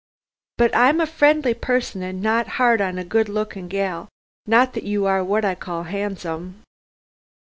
But I'm a friendly pusson and not 'ard on a good lookin' gal, not that you are what I call 'andsome."